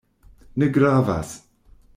Ne gravas!